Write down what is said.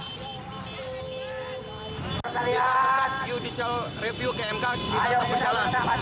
kita tetap judicial review kmk kita tetap berjalan